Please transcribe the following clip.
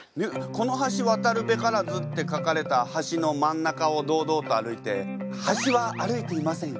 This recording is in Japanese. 「このはしわたるべからず」って書かれた橋の真ん中を堂々と歩いて「はしは歩いていません。